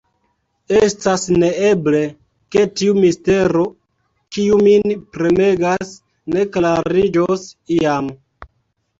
Estas neeble, ke tiu mistero, kiu min premegas, ne klariĝos iam.